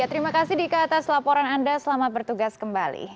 terima kasih dika atas laporan anda selamat bertugas kembali